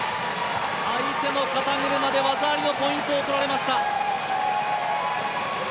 相手の肩車で技ありのポイントを取られました。